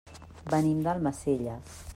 Venim d'Almacelles.